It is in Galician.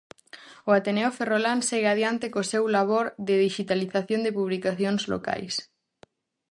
O Ateneo Ferrolán segue adiante co seu labor de dixitalización de publicacións locais.